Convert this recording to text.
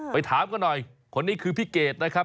ถามกันหน่อยคนนี้คือพี่เกดนะครับ